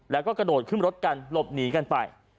แล้วก็กระโดดขึ้นรถกันหลบหนีกันไป